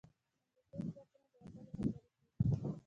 د امریکايي ځواکونو د وتلو خبرې کېږي.